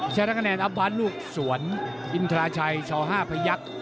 แชร์ทั้งคะแนนอับวันลูกสวนอินทราชัยชห้าพยักษ์